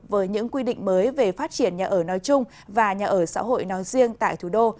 với những quy định mới về phát triển nhà ở nói chung và nhà ở xã hội nói riêng tại thủ đô